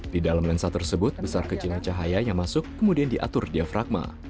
di dalam lensa tersebut besar kecilnya cahaya yang masuk kemudian diatur diafragma